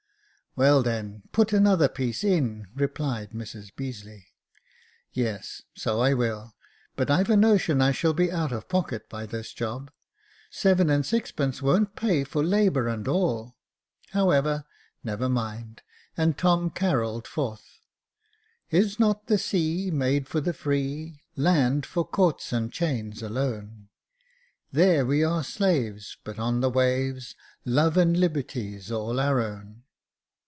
"Well, then, put another piece in," replied Mrs Beazeley. " Yes ; so I will ; but I've a notion I shall be out of pocket by this job. Seven and sixpence won't pay for labour and all. However, never mind," and Tom carolled forth —" Is not the sea Made for the free — Land for courts and chains alone ? There we are slaves, But on the waves Love and liberty's all our own."